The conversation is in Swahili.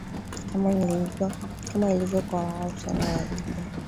kama ilivyo kwa Wahausa na Waigbo